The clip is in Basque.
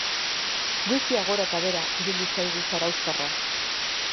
Wifia gora eta behera ibiliko zaigu zarauztarra.